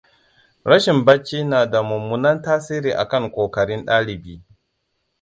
Rashin bacci nada mumunnan tasiri akan kokarin dalibi.